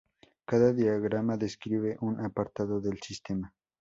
Cada diagrama describe un apartado del sistema.